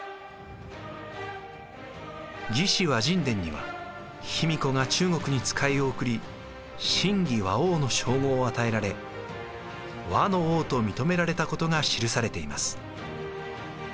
「魏志」倭人伝には卑弥呼が中国に使いを送り「親魏倭王」の称号を与えられ倭の王と認められたことが記されています。